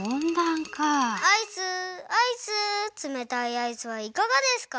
アイスアイスつめたいアイスはいかがですか？